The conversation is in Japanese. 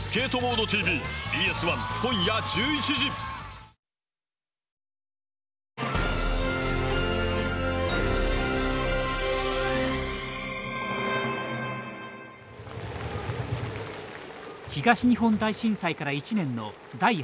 東日本大震災から１年の第８４回大会。